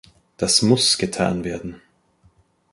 Das muss getan werden.